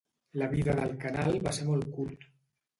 La vida del canal va ser molt curt.